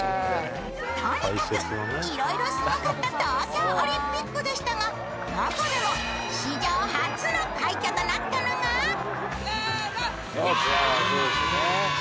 とにかくいろいろすごかった東京オリンピックでしたが中でも史上初の快挙となったのがせーのゴー！